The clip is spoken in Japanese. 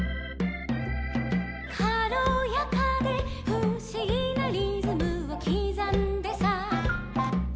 「かろやかでふしぎなリズムをきざんでさ」